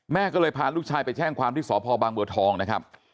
แม่ก็เลยพาลูกชายไปแจ้งความที่สพบางบัวทองนะครับ